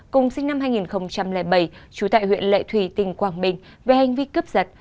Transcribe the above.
cùng sinh năm hai nghìn bảy trú tại huyện lệ thủy tỉnh quảng bình về hành vi cướp giật